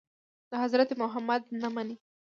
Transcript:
د حضرت محمد نه مني.